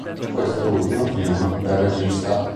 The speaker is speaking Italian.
Questo è l'ultimo film del regista.